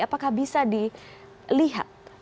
apakah bisa dilihat